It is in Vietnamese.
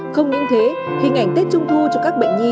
không những thế hình ảnh tết trung thu cho các bệnh nhi